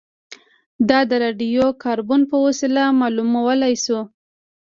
دا د راډیو کاربن په وسیله معلومولای شو